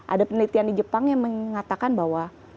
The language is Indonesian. ada penelitian di jepang yang mengatakan bahwa